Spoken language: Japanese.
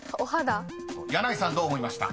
［箭内さんどう思いました？］